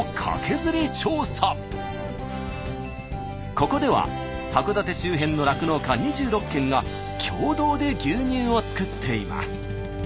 ここでは函館周辺の酪農家２６軒が共同で牛乳を作っています。